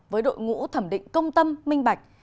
với đội ngũ thẩm định công tâm minh bạch